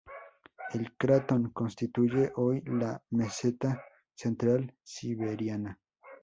El cratón constituye hoy la Meseta Central Siberiana.